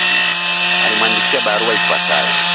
Alimwandikia barua ifuatayo